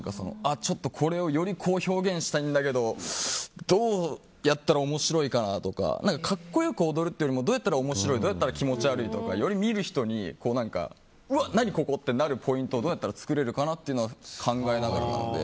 ちょっとこれをより表現したいんだけどどうやったら面白いかなとか格好よく踊るというよりもどうやったら面白いどうやったら気持ち悪いとかいろいろ見る人にうわ、何ここっていうポイントどうやったら作れるかなっていうのを考えながらなので。